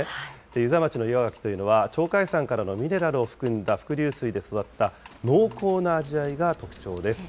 遊佐町の岩がきというのは、鳥海山からのミネラルを含んだ伏流水で育った、濃厚な味わいが特徴です。